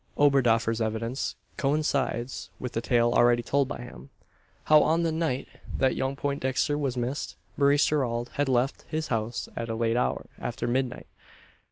Oberdoffer's evidence coincides with the tale already told by him: how on the night that young Poindexter was missed, Maurice Gerald had left his house at a late hour after midnight.